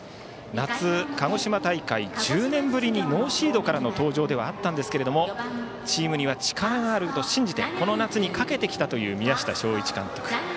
夏、鹿児島大会１０年ぶりにノーシードからの登場ではあったんですけれどもチームには力があると信じてこの夏にかけてきたという宮下正一監督。